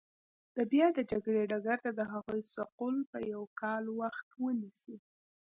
د بیا د جګړې ډګر ته د هغوی سوقول به یو کال وخت ونیسي.